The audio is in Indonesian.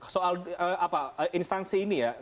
soal instansi ini ya